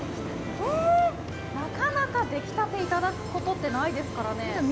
なかなか出来たてをいただくことって、ないですからね。